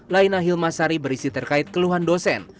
laina hilmasari berisi terkait keluhan dosen